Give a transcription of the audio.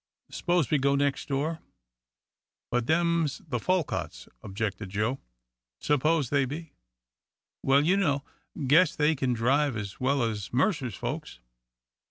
"S'pose we go nex' door?" "But them's the Folcutts," objected Joe. "S'pose they be." "Well, you know " "Guess they kin drive as well as Mercer's folks."